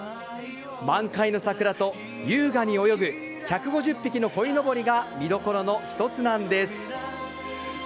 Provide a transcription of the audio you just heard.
満開の桜と優雅に泳ぐ１５０匹の鯉のぼりが見どころの一つなんです。